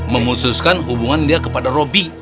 memutuskan hubungan dia kepada roby